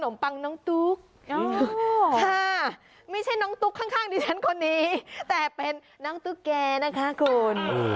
ไม่ใช่น้องตุ๊กข้างดิฉันคนนี้แต่เป็นน้องตุ๊กแก่นะคะคุณ